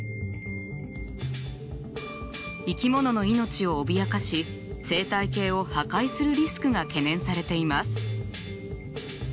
生き物の命を脅かし生態系を破壊するリスクが懸念されています。